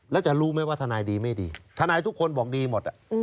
แล้วจะรู้ไหมว่าทนายดีไม่ดีทนายทุกคนบอกดีหมด